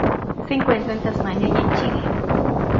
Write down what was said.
Se encuentra en Tasmania y en Chile.